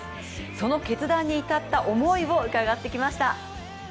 その決断に至った思いを伺ってきました。